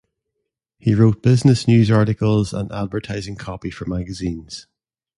He wrote business news articles and advertising copy for magazines.